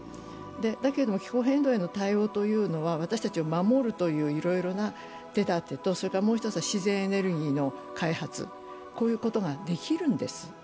だけども気候変動への対応というのは私たちを守るといういろいろな手だてと、それからもう１つは自然エネルギーの開発、こういうことかできるんです。